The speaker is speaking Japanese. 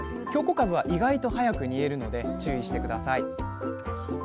かぶは意外と早く煮えるので注意して下さい。